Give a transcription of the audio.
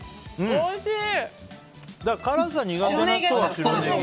おいしい！